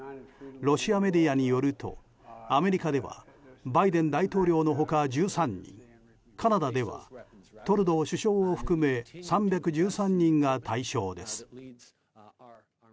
ロシアメディアによるとアメリカではバイデン大統領の他１３人カナダではトルドー首相を含め３１３人が対象です。